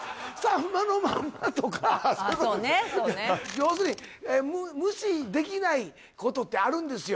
要するに無視できないことってあるんですよ